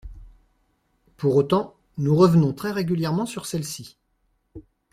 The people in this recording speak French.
Pour autant, nous revenons très régulièrement sur celle-ci.